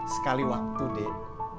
sekali waktu deh